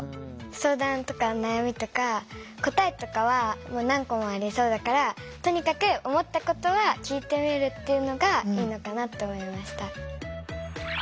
相談とか悩みとか答えとかは何個もありそうだからとにかく思ったことは聞いてみるっていうのがいいのかなって思いました。